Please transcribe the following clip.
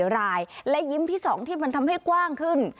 รายและยิ้มที่๒ที่มันทำให้กว้างขึ้น